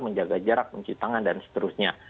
menjaga jarak mencuci tangan dan seterusnya